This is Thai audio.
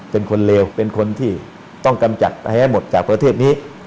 เป็นคนเลวเป็นคนที่ต้องกำจัดให้หมดจากประเทศนี้